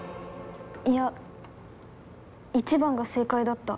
いや１番が正解だった。